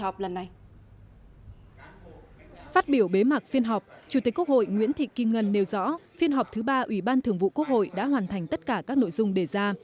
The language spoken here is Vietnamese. phát biểu bế mạc phiên họp chủ tịch quốc hội nguyễn thị kim ngân nêu rõ phiên họp thứ ba ủy ban thường vụ quốc hội đã hoàn thành tất cả các nội dung đề ra